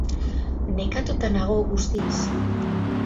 Nekatuta nago, guztiz.